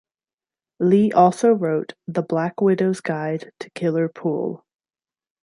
Lee also wrote "The Black Widow's Guide to Killer Pool".